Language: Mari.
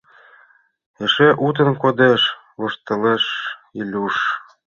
Эше утен кодеш! — воштылеш Илюш.